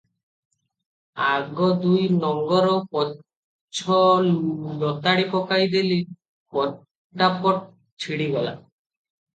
ଆଗ ଦୁଇ ନଙ୍ଗର ପଛ ଲତାଡ଼ି ପକାଇ ଦେଲି, ପଟାପଟ ଛିଡ଼ିଗଲା ।